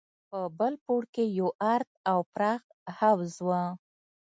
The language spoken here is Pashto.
په بل پوړ کښې يو ارت او پراخ حوض و.